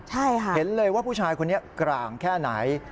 ใช่ค่ะเห็นเลยว่าผู้ชายคนนี้กลางแค่ไหน